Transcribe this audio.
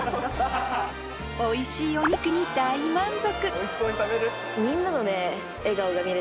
おいしいお肉に大満足！